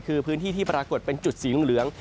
คือพื้นที่ที่ปรากฏเป็นจุดสีเหลือง